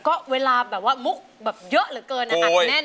ก็เวลาแบบว่ามุกแบบเยอะเหลือเกินอัดแน่น